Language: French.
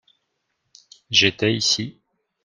J'étais ici.